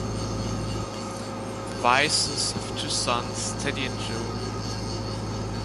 The Weisses have two sons, Teddy and Joel.